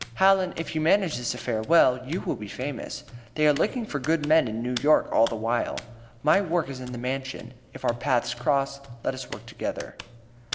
"Hallen, if you manage this affair well, you will be famous. They are looking for good men in New York all the while. My work is in the Mansion; if our paths cross, let us work together."